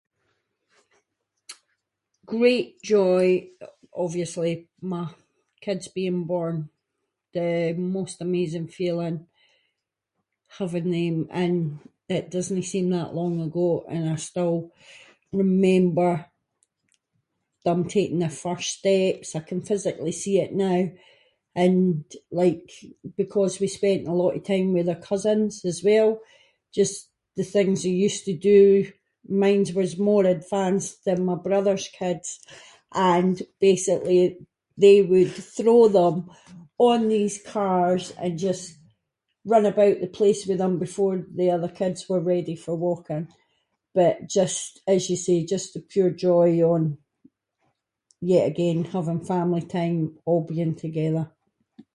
Great joy, obviously my kids being born, the most amazing feeling having them and it doesnae seem that long ago and I still remember them taking their first steps, I can physically see it now, and like, because we spent a lot of time with their cousins as well, just the things they used to do, mines was more advanced than my brother’s kids, and basically they would throw them on these cars and just run about the place with them, before the other kids were ready for walking, but just as you say, just the pure joy on- yet again having family time, all being together.